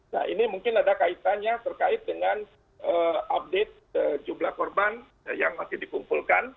nah ini mungkin ada kaitannya terkait dengan update jumlah korban yang masih dikumpulkan